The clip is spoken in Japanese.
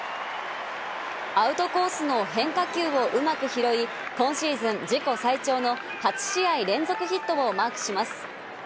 アウトコースの変化球をうまく拾い、今シーズン自己最長の８試合連続ヒットをマークします。